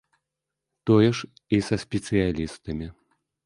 Тое ж і са спецыялістамі.